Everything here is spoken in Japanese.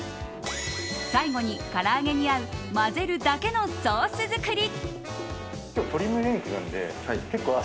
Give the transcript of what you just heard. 最後に、から揚げに合う混ぜるだけでのソース作り。